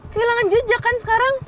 kehilangan jejak kan sekarang